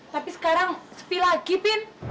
tapi sekarang spil lagi pin